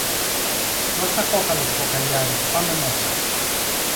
Δώσ' τα κόκαλα του κοκαλιάρη και πάμε μέσα.